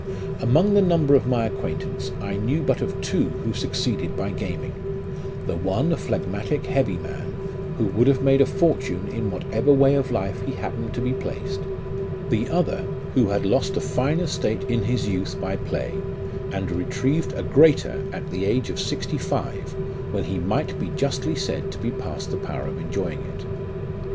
" Among the number of my acquaintance, I knew but of two who suc ceeded by gaming ; the one a phlegmatic heavy man, who would have made a fortune in whatever way of life he happened to be placed ; the other who had lost a fine estate in his youth by play, and retrieved a greater at the age of sixty five, when he might be justly said to be past the power of enjoying it.